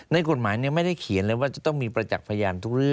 ในกฎหมายเนี่ยไม่ได้เขียนเลยว่า